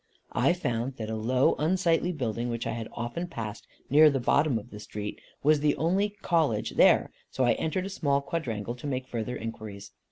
I found that a low unsightly building, which I had often passed, near the bottom of the street, was the only College there; so I entered a small quadrangle, to make further inquiries.